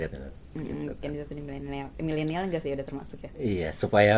millenial gak sih yang sudah termasuk ya